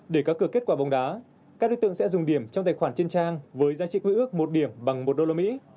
để có cửa kết quả bóng đá các đối tượng sẽ dùng điểm trong tài khoản trên trang với giá trị quý ước một điểm bằng một đô la mỹ